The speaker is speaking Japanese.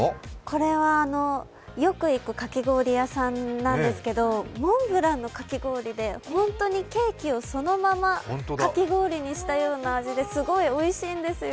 これはよく行くかき氷屋さんなんですけど、モンブランのかき氷で本当にケーキをそのままかき氷にしたようなのですごいおいしいんですよ。